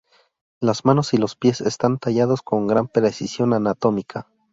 Las manos y los pies están tallados con gran precisión anatómica.